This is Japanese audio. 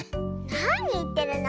なにいってるの。